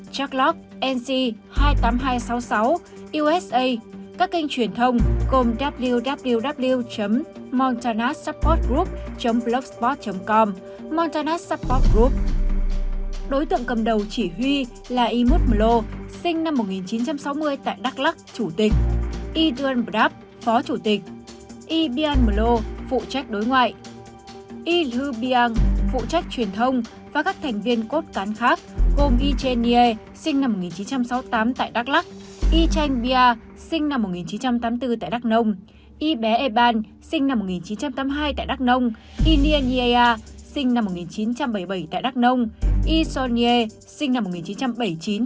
đối tượng cầm đầu chỉ huy là imut melo sinh năm một nghìn chín trăm sáu mươi tại đắk lắk chủ tịch idran vardab phó chủ tịch ibiang melo phụ trách đối ngoại